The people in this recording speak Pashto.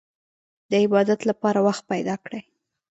د عبادت لپاره وخت پيدا کړئ.